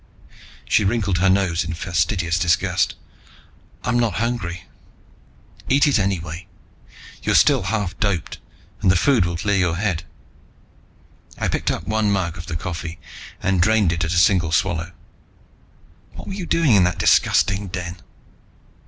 She wrinkled her nose in fastidious disgust. "I'm not hungry." "Eat it anyway. You're still half doped, and the food will clear your head." I picked up one mug of the coffee and drained it at a single swallow. "What were you doing in that disgusting den?"